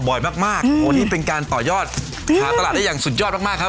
มากมากโอ้นี่เป็นการต่อยอดหาตลาดได้อย่างสุดยอดมากมากครับ